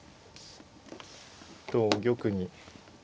同玉に。